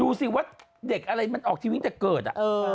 ดูสิว่าเด็กอะไรมันออกทีวีตั้งแต่เกิด